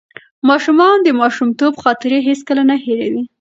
ماشومان د ماشومتوب خاطرې هیڅکله نه هېروي.